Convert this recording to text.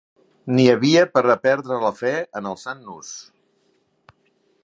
N'hi havia per a perdre la fe en el sant Nus